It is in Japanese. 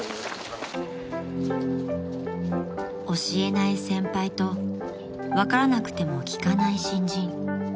［教えない先輩と分からなくても聞かない新人］